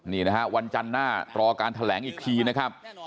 นี่นะฮะวันจันทร์หน้ารอการแถลงอีกทีนะครับ